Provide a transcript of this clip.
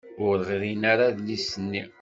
Ur ɣrin ara adlis-nni.